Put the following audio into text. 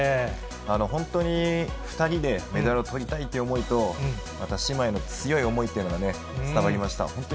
本当に２人でメダルをとりたいという思いと、また姉妹の強い思いっていうのがね、伝わりました。